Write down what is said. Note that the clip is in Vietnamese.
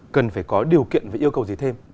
cần phải có điều kiện và yêu cầu gì thêm